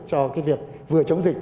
cho cái việc vừa chống dịch